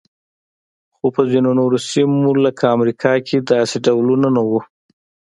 خو په ځینو نورو سیمو لکه امریکا کې داسې ډولونه نه وو.